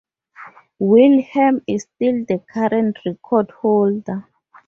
Wilhelm is still the current record holder.